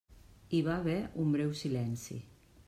Hi va haver un breu silenci.